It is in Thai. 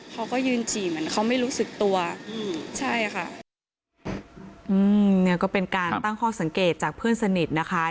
เขาก็ยืนฉี่เหมือนเขาไม่รู้สึกตัวอืมใช่ค่ะอืมเนี่ยก็เป็นการตั้งข้อสังเกตจากเพื่อนสนิทนะคะ